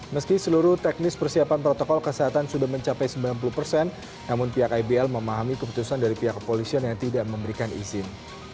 meski seluruh teknis persiapan protokol kesehatan sudah mencapai sembilan puluh persen namun pihak ibl memahami keputusan dari pihak kepolisian yang tidak memberikan izin